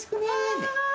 はい。